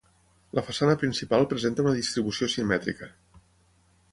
La façana principal presenta una distribució simètrica.